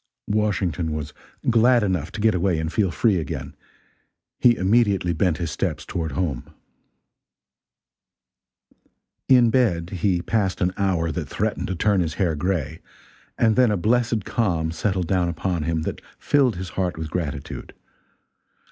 Washington was glad enough to get away and feel free again. He immediately bent his steps toward home. In bed he passed an hour that threatened to turn his hair gray, and then a blessed calm settled down upon him that filled his heart with gratitude.